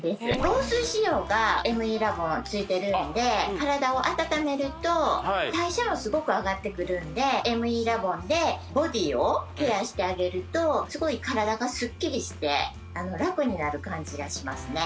防水仕様がＭＥラボンはついてるんで体を温めると代謝もすごく上がってくるんでＭＥラボンでボディーをケアしてあげるとすごい体がすっきりして楽になる感じがしますね